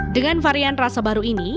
dengan varian rasa baru ini